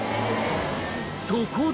そこで